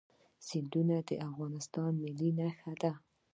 سیندونه د افغانستان د ملي هویت نښه ده.